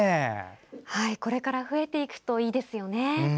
これから増えていくといいですよね。